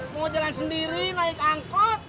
mau jalan sendiri naik angkot